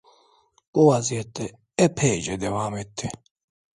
Bu vaziyet epeyce devam etti.